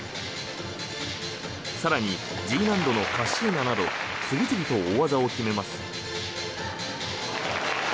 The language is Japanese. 更に、Ｇ難度のカッシーナなど次々と大技を決めます。